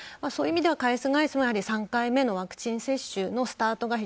そういう意味では返す返す３回目のワクチン接種のスタート